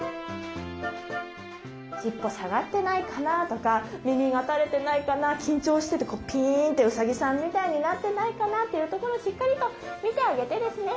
尻尾下がってないかなとか耳が垂れてないかな緊張しててピーンとウサギさんみたいになってないかなというところをしっかりと見てあげてですね